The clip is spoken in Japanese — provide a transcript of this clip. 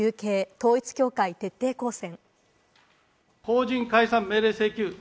統一教会徹底抗戦。